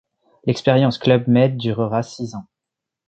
L'expérience Club Med durera six ans.